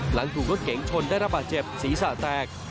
หลังถูกรถเก๋งชนได้ระบาดเจ็บศีรษะแตก